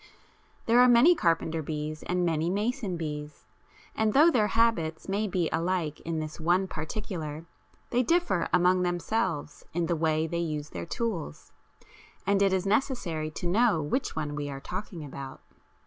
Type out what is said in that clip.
There are many carpenter bees and many mason bees, and though their habits may be alike in this one particular they differ among themselves in the way they use their tools, and it is necessary to know which one we are talking about.